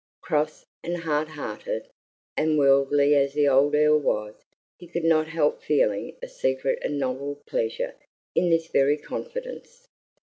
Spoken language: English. Cross, and hard hearted, and worldly as the old Earl was, he could not help feeling a secret and novel pleasure in this very confidence.